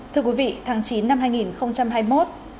thưa quý vị tháng chín năm hai nghìn hai mươi một